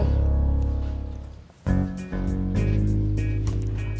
terus ambil posisi di sebelah kanan korban